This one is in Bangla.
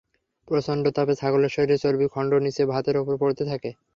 প্রচণ্ড তাপে ছাগলের শরীরের চর্বির খণ্ড নিচে ভাতের ওপর পড়তে থাকে।